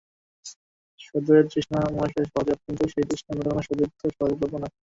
সুদূরের তৃষ্ণা মানুষের সহজাত কিন্তু সেই তৃষ্ণা মেটানোর সুযোগ তো সহজলভ্য নয়।